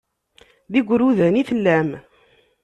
D igrudan i tellam.